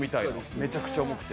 めちゃくちゃ重くて。